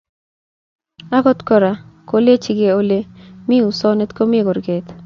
Agot Kora kolechkei Ole mi usonet komi kurget